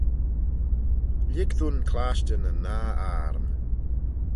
Lhig dooin clashtyn yn nah ayrn.